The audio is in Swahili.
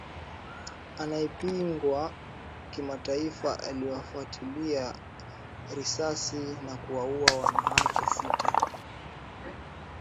anayepingwa kimataifa aliwafiatulia risasi na kuwaua wanawake sita